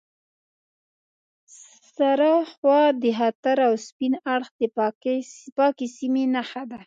سره خوا د خطر او سپین اړخ د پاکې سیمې نښه ده.